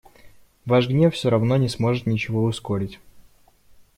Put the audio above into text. Ваш гнев всё равно не сможет ничего ускорить.